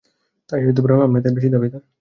তাই আমরাই তার বেশী দাবীদার।